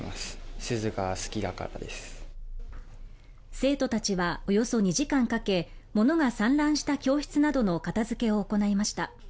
生徒たちはおよそ２時間かけ、物が散乱した教室などの片付けを行いました。